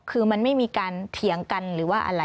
คือมันไม่มีการเถียงกันหรือว่าอะไร